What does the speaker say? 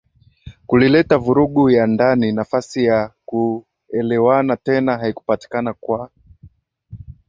kulileta vurugu ya ndani Nafasi ya kuelewana tena haikupatikana kwa